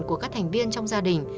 của các thành viên trong gia đình